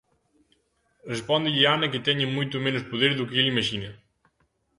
Respóndelle Anna que teñen moito menos poder do que el imaxina.